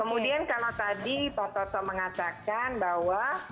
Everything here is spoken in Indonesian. kemudian kalau tadi pak toto mengatakan bahwa